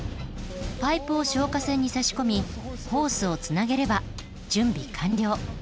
パイプを消火栓に差し込みホースをつなげれば準備完了。